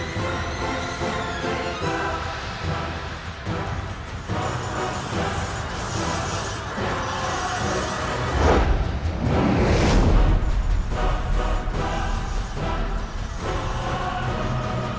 saatku dimnotifikasi di daerah alkambar gabung obat ramah dan